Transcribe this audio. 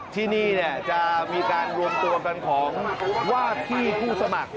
ที่นี่จะมีการรวมตัวกันของวาดที่ผู้สมัคร